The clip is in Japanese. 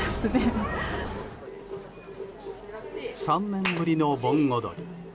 ３年ぶりの盆踊り。